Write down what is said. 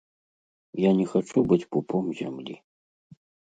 Я не хачу быць пупом зямлі.